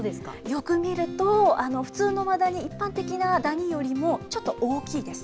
よく見ると、普通のマダニ、一般的なダニよりもちょっと大きいです。